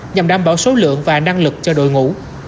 nhằm đảm bảo số lượng và năng lực cho đội ngũ